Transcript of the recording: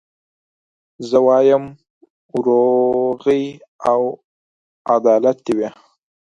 زه وايم وروغي او عدالت دي وي